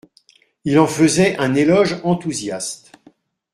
Il en faisait un éloge enthousiaste.